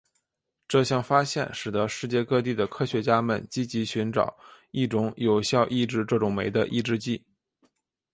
这项发现使得世界各地的科学家们积极寻找一种有效抑制这种酶的抑制剂。